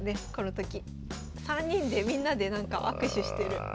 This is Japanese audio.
３人でみんなで握手してる。